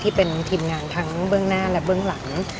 พวกเราทุกคนที่อยู่ตรงนี้ที่เป็นทีมงานทั้งเบื้องหน้าและเบื้องหลัง